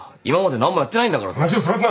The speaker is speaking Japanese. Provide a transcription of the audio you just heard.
今まで何もやってないんだからさ。